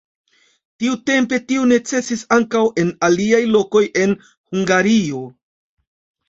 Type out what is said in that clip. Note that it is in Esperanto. Tiutempe tio necesis ankaŭ en aliaj lokoj en Hungario.